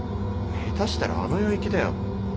下手したらあの世行きだよ。